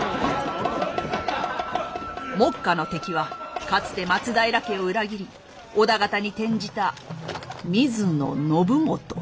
目下の敵はかつて松平家を裏切り織田方に転じた水野信元。